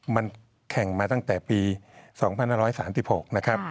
มันแข่งมาตั้งแต่ปี๒๕๓๖นะครับ